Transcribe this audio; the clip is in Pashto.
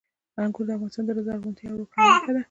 انګور د افغانستان د زرغونتیا یوه روښانه نښه ده.